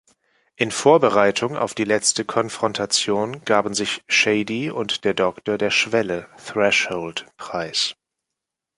In Vorbereitung auf die letzte Konfrontation gaben sich Shayde und der Doktor der Schwelle (Threshold) preis.